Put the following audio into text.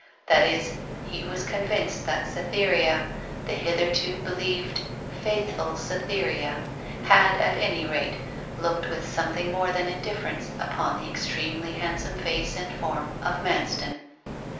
That is, he was convinced that Cytherea the hitherto believed faithful Cytherea had, at any rate, looked with something more than indifference upon the extremely handsome face and form of Manston.